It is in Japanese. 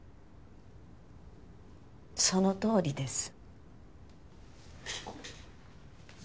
そのとおりです。